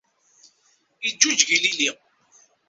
Iǧǧuǧǧeg ilili.